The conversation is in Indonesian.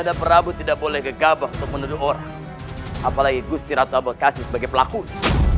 nanda prabu tidak boleh digabah untuk menelur orang apalagi gusti ratu ambedkasi sebagai pelaku ini